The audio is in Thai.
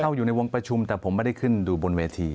อยู่ในวงประชุมแต่ผมไม่ได้ขึ้นดูบนเวที